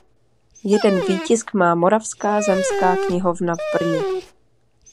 Jeden výtisk má Moravská zemská knihovna v Brně.